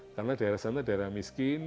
karena daerah sana daerah miskin